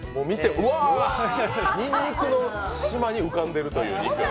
うわ、にんにくの島に浮かんでいるという。